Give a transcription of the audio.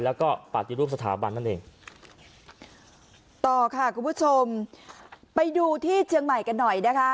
แล้วก็ปฏิรูปสถาบันนั่นเองต่อค่ะคุณผู้ชมไปดูที่เชียงใหม่กันหน่อยนะคะ